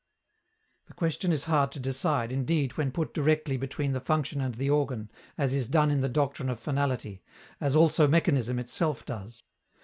The question is hard to decide, indeed, when put directly between the function and the organ, as is done in the doctrine of finality, as also mechanism itself does.